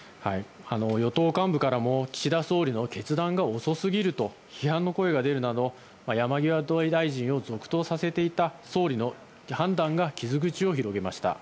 与党幹部からも岸田総理の決断が遅すぎると批判の声が出るなど、山際大臣を続投させていた総理の判断が傷口を広げました。